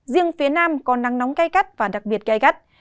riêng phía nam có nắng nóng cay cắt và đặc biệt cay cắt